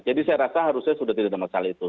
jadi saya rasa harusnya sudah tidak ada masalah itu